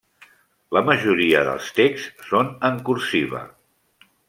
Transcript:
La majoria dels texts són en cursiva.